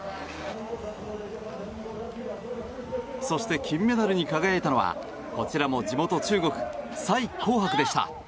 そして、金メダルに輝いたのはこちらも地元・中国サイ・コウハクでした。